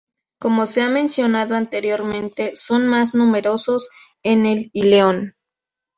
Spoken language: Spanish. Como se ha mencionado anteriormente, son más numerosos en el íleon.